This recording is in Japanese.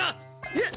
えっ！？